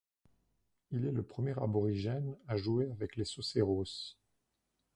Il est le premier aborigène à jouer avec les Socceroos.